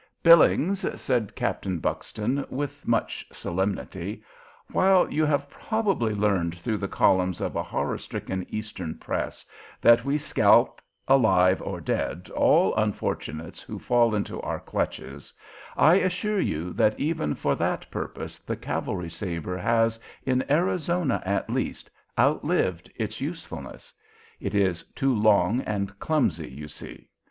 "Billings," said Captain Buxton, with much solemnity, "while you have probably learned through the columns of a horror stricken Eastern press that we scalp, alive or dead, all unfortunates who fall into our clutches, I assure you that even for that purpose the cavalry sabre has, in Arizona at least, outlived its usefulness. It is too long and clumsy, you see.